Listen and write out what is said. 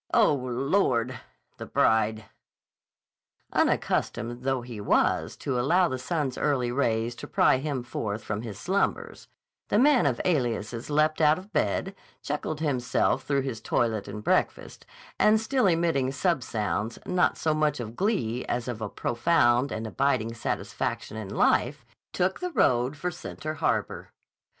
Oh, Lord! The bride." Unaccustomed though he was to allow the sun's early rays to pry him forth from his slumbers, the man of aliases leapt out of bed, chuckled himself through his toilet and breakfast, and still emitting sub sounds, not so much of glee as of a profound and abiding satisfaction in life, took the road for Center Harbor.